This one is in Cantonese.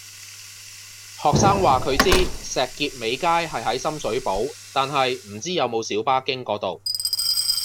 學生話佢知石硤尾街係喺深水埗，但係唔知有冇小巴經嗰度